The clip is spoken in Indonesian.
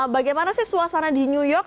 bagaimana sih suasana di new york